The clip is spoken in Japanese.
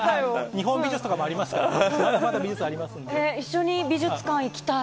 日本美術もありますからね。